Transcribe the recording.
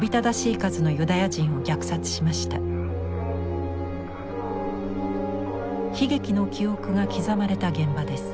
悲劇の記憶が刻まれた現場です。